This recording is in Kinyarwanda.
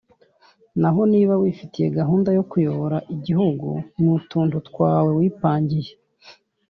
naho niba wifitiye gahunda yo kuyobora igihugu n'utuntu twawe wipangiye,